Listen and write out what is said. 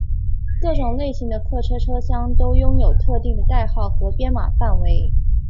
各种类型的客车车厢都拥有特定的代号和编码范围。